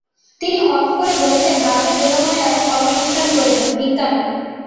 তিনি হলফ করে বলেছেন, ভারতের জনগণের এখন কর্মসংস্থান প্রয়োজন, ভিক্ষা নয়।